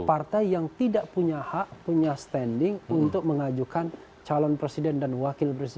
partai yang tidak punya hak punya standing untuk mengajukan calon presiden dan wakil presiden